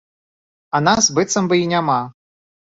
А нас быццам бы і няма.